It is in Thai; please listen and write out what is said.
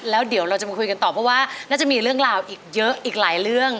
แล้วเดี๋ยวเราจะมาคุยกันต่อเพราะว่าน่าจะมีเรื่องราวอีกเยอะอีกหลายเรื่อง